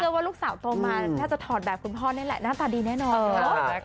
ว่าลูกสาวโตมาน่าจะถอดแบบคุณพ่อนี่แหละหน้าตาดีแน่นอน